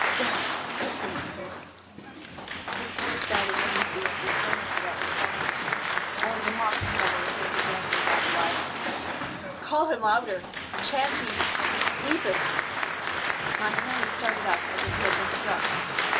"God! Listen to this " His voice died away into the empty stillness without response. Only the mocking devil awoke again in the Gadfly. "'C c call him louder; perchance he s s sleepeth' " Montanelli started up as if he had been struck.